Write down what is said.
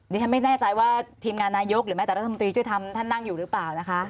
ดิฉันไม่แน่ใจว่าทีมงานนายกหรือแม้แต่รัฐมนตรีช่วยทำท่านนั่งอยู่หรือเปล่านะคะ